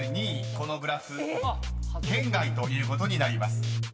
［このグラフ圏外ということになります］